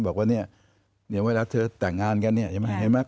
บอกว่าเนี่ยเวลาเธอแต่งงานกันเนี่ยใช่ไหม